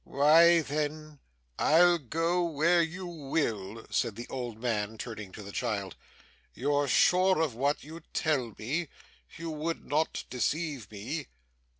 'Why then, I'll go where you will,' said the old man, turning to the child. 'You're sure of what you tell me? You would not deceive me?